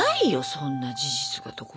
そんな事実がどこにも。